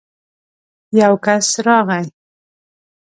يو کس راغی.